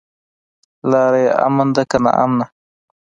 لاره يې امن ده که ناامنه؟